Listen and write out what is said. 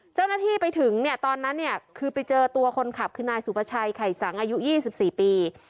เจ้าหน้าที่ไปถึงเนี่ยตอนนั้นเนี่ยคือไปเจอตัวคนขับคือนายสุประชัยไข่สังอายุ๒๔ปี